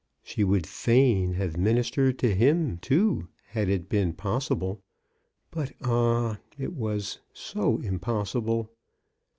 She would f a i n hj^ have minis ESb tered to him too had it been possi ble ; but, ah ! it was so impossible